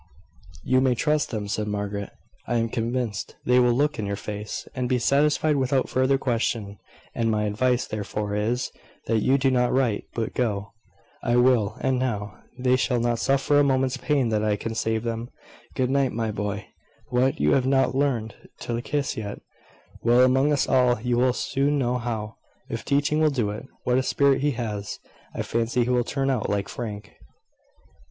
"You may trust them," said Margaret, "I am convinced. They will look in your face, and be satisfied without further question; and my advice, therefore, is, that you do not write, but go." "I will; and now. They shall not suffer a moment's pain that I can save them. Good night, my boy! What! you have not learned to kiss yet. Well, among us all, you will soon know how, if teaching will do it. What a spirit he has! I fancy he will turn out like Frank."